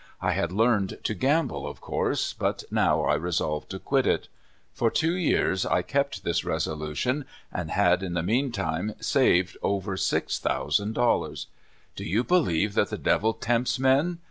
I had learned to gamble, of course, but now I resolved to quit it. For two years I kept this resolution, and had in the meantime saved over six thousand dollars. Do you believe that the devil tempts men?